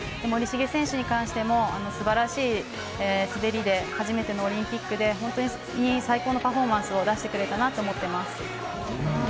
森重選手に関しても素晴らしい滑りで初めてのオリンピックで本当に最高のパフォーマンスを出してくれたなと思っています。